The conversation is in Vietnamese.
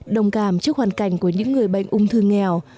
đồng cảm trước hoàn cảnh của những người bệnh ung thư nghèo